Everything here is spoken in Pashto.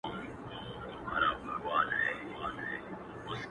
سپوږمۍ خو مياشت كي څو ورځي وي،